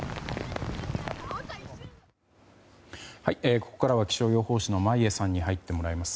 ここからは気象予報士の眞家さんに入ってもらいます。